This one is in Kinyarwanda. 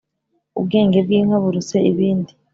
Ubwenge bw'inka buruse ibindi.